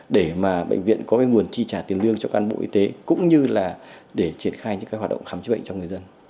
để mà bệnh viện có cái nguồn chi trả tiền lương cho cán bộ y tế cũng như là để triển khai những cái hoạt động khám chữa bệnh cho người dân